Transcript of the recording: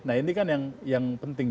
nah ini kan yang penting